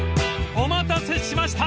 ［お待たせしました！